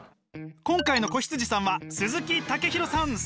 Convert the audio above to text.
今回の子羊さんは鈴木健大さん